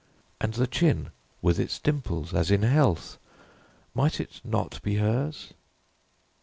And the chin, with its dimples, as in health, might it not be hers?